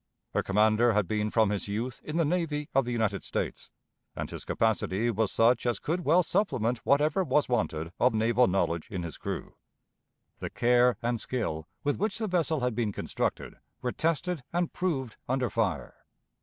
Her commander had been from his youth in the navy of the United States, and his capacity was such as could well supplement whatever was wanted of naval knowledge in his crew. The care and skill with which the vessel had been constructed were tested and proved under fire.